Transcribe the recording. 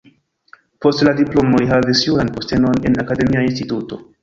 Post la diplomo li havis juran postenon en akademia instituto.